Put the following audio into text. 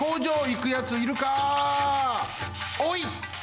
おい！